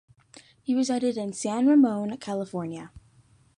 He resided in San Ramon, California.